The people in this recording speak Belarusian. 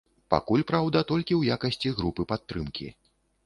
Пакуль, праўда, толькі ў якасці групы падтрымкі.